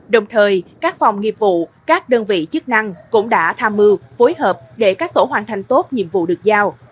đồng thời các phòng nghiệp vụ các đơn vị chức năng cũng đã tham mưu phối hợp để các tổ hoàn thành tốt nhiệm vụ được giao